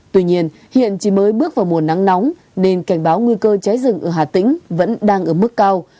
tuy nhiên hiện chỉ mới bước vào mùa nắng nóng nên cảnh báo nguy cơ cháy rừng ở hà tĩnh vẫn đang ở mức cao